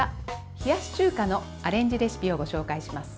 冷やし中華のアレンジレシピをご紹介します。